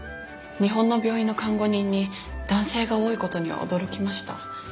日本の病院の看護人に男性が多い事には驚きました。